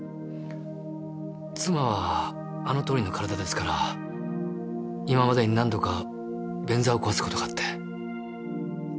妻はあのとおりの体ですから今までに何度か便座を壊す事があって。